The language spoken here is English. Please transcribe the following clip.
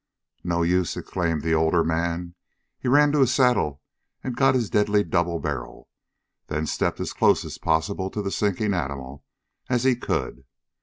"No use!" exclaimed the older man. He ran to his saddle and got his deadly double barrel, then stepped as close as possible to the sinking animal as he could.